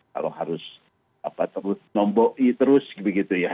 kalau harus nombok terus gitu ya